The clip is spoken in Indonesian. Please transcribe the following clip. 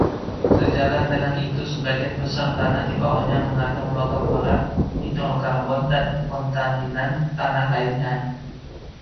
Sejalan dengan itu, sebagian besar tanah di bawahnya mengandung logam berat, hidrokarbon, dan kontaminan tanah lainnya.